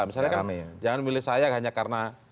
misalnya kan jangan milih saya hanya karena